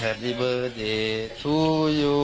แฮปปี้เบอร์เดย์ทูยู